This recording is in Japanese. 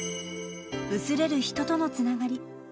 ［薄れる人とのつながり］